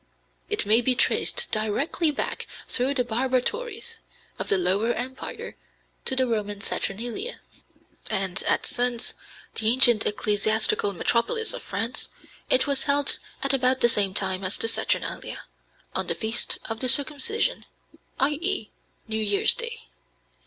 It may be traced directly back through the barbatories of the lower empire to the Roman saturnalia, and at Sens, the ancient ecclesiastical metropolis of France, it was held at about the same time as the saturnalia, on the Feast of the Circumcision, i.e., New Year's Day.